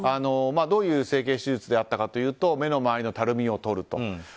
どういう整形手術であったかというと目の周りのたるみを取ると。